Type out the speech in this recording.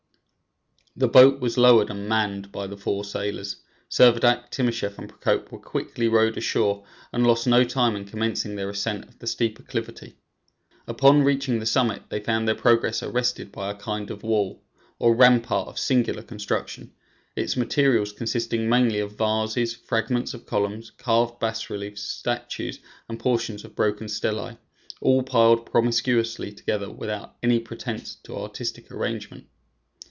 The boat was lowered and manned by the four sailors; Servadac, Timascheff and Procope were quickly rowed ashore, and lost no time in commencing their ascent of the steep acclivity. Upon reaching the summit, they found their progress arrested by a kind of wall, or rampart of singular construction, its materials consisting mainly of vases, fragments of columns, carved bas reliefs, statues, and portions of broken stelae, all piled promiscuously together without any pretense to artistic arrangement.